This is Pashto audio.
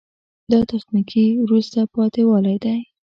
دا تخنیکي وروسته پاتې والی ده.